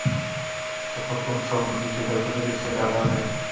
ته په کوم ښوونځي کې د تدریس اراده لرې؟